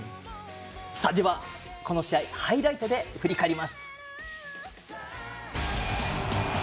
では、この試合ハイライトで振り返ります。